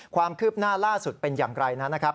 ความคืบหน้าล่าสุดเป็นอย่างไรนั้นนะครับ